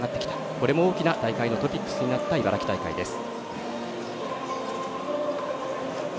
これも大きな大会のトピックスになった茨城大会です。